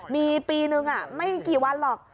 มีปีนึงไม่กี่วันหรอก